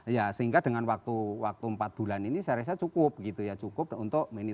ya sehingga dengan waktu empat bulan ini saya rasa cukup gitu ya cukup untuk